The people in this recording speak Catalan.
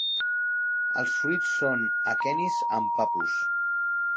Els fruits són aquenis amb papus.